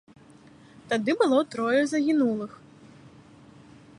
Тады было трое загінулых.